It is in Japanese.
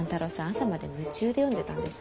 朝まで夢中で読んでたんです。